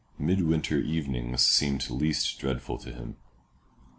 Midwinter evenings seemed least dreadful to him.